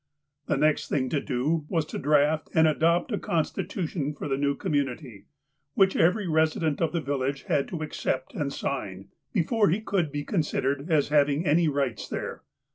The next thing to do was to draft and adopt a consti tution for the new community, which every resident of the village had to accept and sign, before he could be considered as having any rights there.